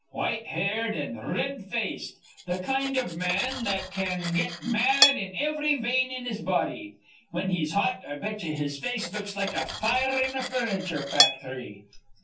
White haired an' r red faced. Th' kind iv ma an that can get mad in ivry vein in his body. Whin he's hot, I bet ye his face looks like a fire in a furniture facthry.